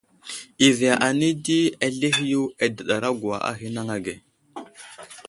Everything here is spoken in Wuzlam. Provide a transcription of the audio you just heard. I viya anay di, azlehe yo adəɗargwa a ghay anaŋ age.